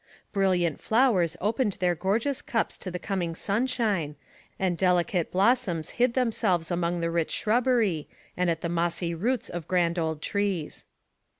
Brilliant flowers opened their gorgeous cups to the coming sunshine, and delicate blossoms hid themselves among the rich shrubbery and at the mossy roots of grand old trees.